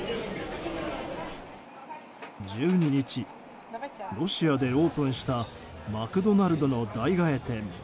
１２日、ロシアでオープンしたマクドナルドの代替え店。